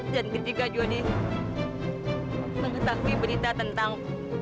dan ketika jody mengetahui berita tentang